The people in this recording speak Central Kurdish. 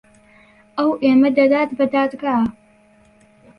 ئەو ئێمە دەدات بە دادگا.